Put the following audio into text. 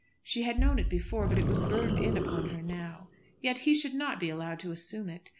She had known it before, but it was burned in upon her now. Yet he should not be allowed to assume it.